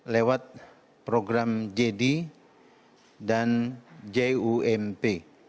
lewat program jd dan jump